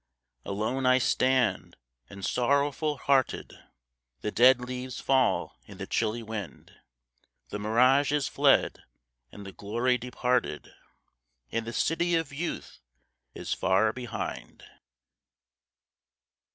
Alone I stand and sorrowful hearted; The dead leaves fall in the chilly wind. The mirage is fled, and the glory departed, And the City of Youth is far behind.